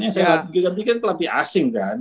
yang saya ganti ganti kan pelatih asing kan